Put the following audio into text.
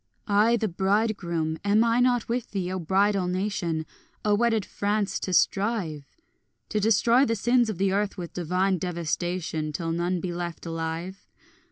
I the bridegroom, am I not with thee, O bridal nation, O wedded France, to strive? To destroy the sins of the earth with divine devastation, Till none be left alive?